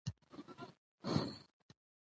په پارسي، اردو او پښتو